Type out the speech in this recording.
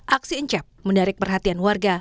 aksi encep menarik perhatian warga